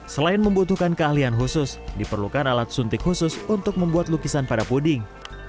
selain membutuhkan keahlian khusus diperlukan alat suntik khusus untuk membuat lukisan pada puding